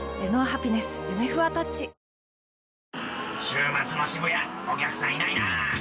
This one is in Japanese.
週末の渋谷お客さんいないな。